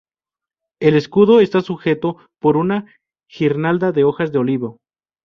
El escudo está sujeto por una guirnalda de hojas de olivo.